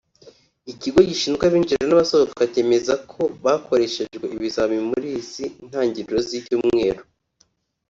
Ikigo gishinzwe Abinjira n’Abasohoka cyemeza ko bakoreshejwe ibizamini muri izi ntangiriro z’icyumweru